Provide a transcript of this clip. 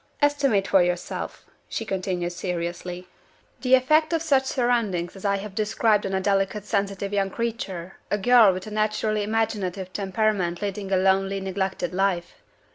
Estimate for yourself," she continued seriously, "the effect of such surroundings as I have described on a delicate, sensitive young creature a girl with a naturally imaginative temperament leading a lonely, neglected life.